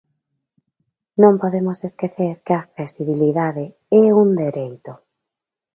Non podemos esquecer que a accesibilidade é un dereito.